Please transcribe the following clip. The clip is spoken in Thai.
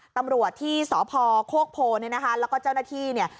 ตำรวจที่สพโคกโพเนี่ยนะคะแล้วก็เจ้าหน้าที่เนี่ย